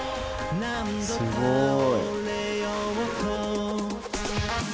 すごい。